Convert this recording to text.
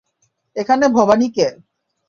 এখানে ভবানী কে?